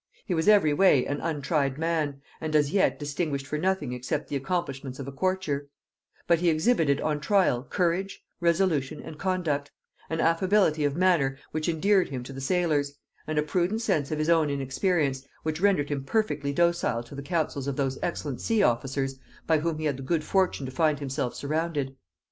He was every way an untried man, and as yet distinguished for nothing except the accomplishments of a courtier: but he exhibited on trial courage, resolution, and conduct; an affability of manner which endeared him to the sailors; and a prudent sense of his own inexperience, which rendered him perfectly docile to the counsels of those excellent sea officers by whom he had the good fortune to find himself surrounded.